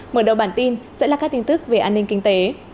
mở đầu bản tin sẽ là các tin tức về an ninh kinh tế